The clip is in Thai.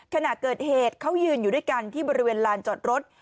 ขณะเกิดเหตุเขายืนอยู่ด้วยกันที่บริเวณลานจอดรถ